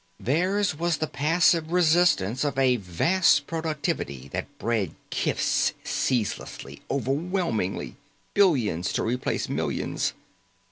Theirs was the passive resistance of a vast productivity that bred kifs ceaselessly, overwhelmingly, billions to replace millions.